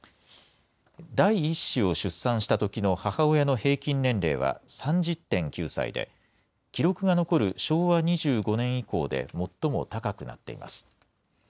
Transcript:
第１子を出産したときの母親の平均年齢は３０．９歳で、記録が残る昭和２５年以降で最も高くなっています。